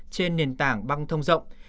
trên nền tảng băng thông rộng